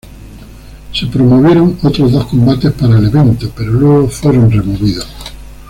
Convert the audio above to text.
Se promovieron otros dos combates para el evento, pero luego fueron removidos.